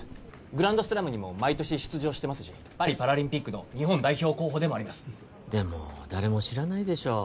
グランドスラムにも毎年出場してますしパリパラリンピックの日本代表候補でもありますでも誰も知らないでしょう